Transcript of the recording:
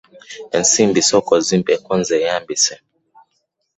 Ensimbi sooka ozimpeeko nzeeyambise.